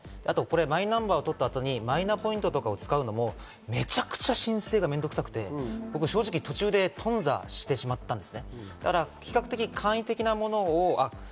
マイナンバーを取った後にマイナポイントとかを使うのもめちゃくちゃ申請が面倒くさくて、僕、正直途中で頓挫してしまったんです。